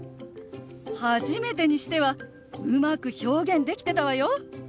初めてにしてはうまく表現できてたわよ。